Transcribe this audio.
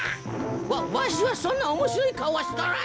わわしはそんなおもしろいかおはしとらんぞ。